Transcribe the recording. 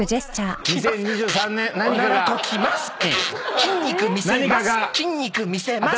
「筋肉見せます。